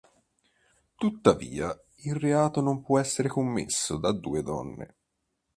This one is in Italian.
Tuttavia, il reato non può essere commesso da due donne.